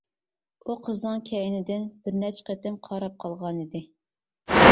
ئۇ قىزنىڭ كەينىدىن بىرنەچچە قېتىم قاراپ قالغانىدى.